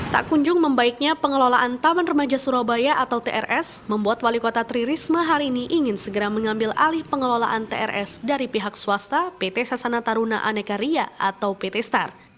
tak kunjung membaiknya pengelolaan taman remaja surabaya atau trs membuat wali kota tri risma hari ini ingin segera mengambil alih pengelolaan trs dari pihak swasta pt sasana taruna aneka ria atau pt star